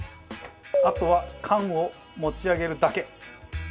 あとは缶を持ち上げるだけ。